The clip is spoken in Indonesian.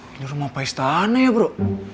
ini rumah paistana ya bro